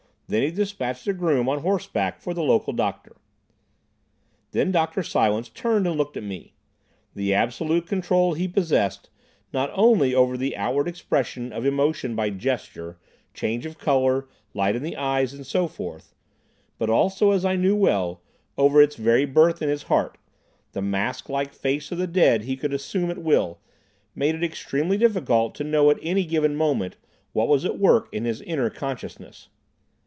Then he dispatched a groom on horseback for the local doctor. Then Dr. Silence turned and looked at me. The absolute control he possessed, not only over the outward expression of emotion by gesture, change of colour, light in the eyes, and so forth, but also, as I well knew, over its very birth in his heart, the masklike face of the dead he could assume at will, made it extremely difficult to know at any given moment what was at work in his inner consciousness.